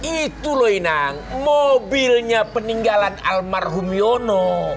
itu loh inang mobilnya peninggalan almarhum yono